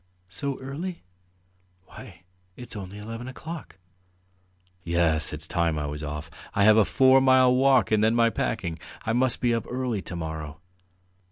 "So early? Why, it's only eleven o'clock." "Yes, it's time I was off. I have a four mile walk and then my packing. I must be up early to morrow."